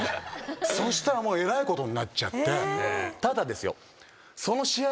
そしたらもうえらいことになっちゃってただですよ。